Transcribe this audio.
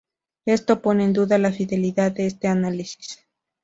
Esto pone en duda la fidelidad de este análisis.